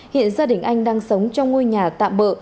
hiện gia đình anh đang sống trong ngôi nhà tạm bỡ